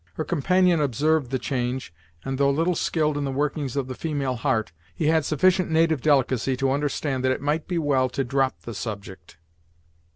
Her companion observed the change, and though little skilled in the workings of the female heart, he had sufficient native delicacy to understand that it might be well to drop the subject.